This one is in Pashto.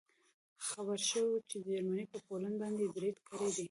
خبر شوو چې جرمني په پولنډ باندې برید کړی دی